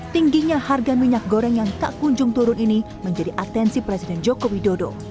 tingginya harga minyak goreng yang tak kunjung turun ini menjadi atensi presiden joko widodo